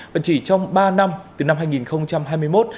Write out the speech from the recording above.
và chỉ trong ba năm từ năm hai nghìn hai mươi một